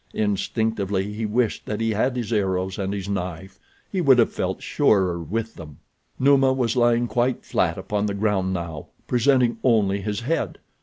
Instinctively he wished that he had his arrows and his knife—he would have felt surer with them. Numa was lying quite flat upon the ground now, presenting only his head.